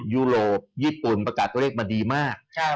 ยุโรปญี่ปุ่นประกาศตัวเลขมาดีมาก